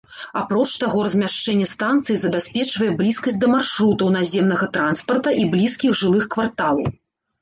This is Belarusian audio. Апроч таго, размяшчэнне станцыі забяспечвае блізкасць да маршрутаў наземнага транспарта і блізкіх жылых кварталаў.